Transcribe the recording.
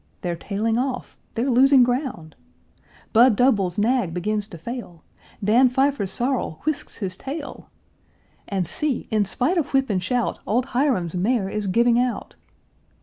They're tailing off! they're losing ground! Budd Doble's nag begins to fail! Dan Pfeiffer's sorrel whisks his tail! And see! in spite of whip and shout, Old Hiram's mare is giving out!